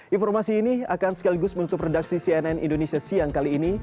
informasi ini akan sekaligus menutup redaksi cnn indonesia siang kali ini